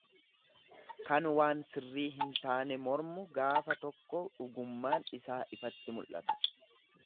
Kan waan sirrii hin taane mormu gaafa tokko dhugummaan isaa iffatti mul'ata.